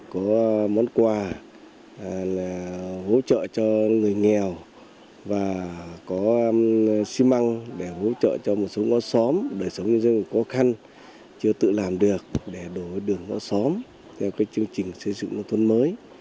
có món quà là hỗ trợ cho người nghèo và có xi măng để hỗ trợ cho một số ngõ xóm đời sống nhân dân khó khăn chưa tự làm được để đổi đường ngõ xóm theo cái chương trình xây dựng nông thôn mới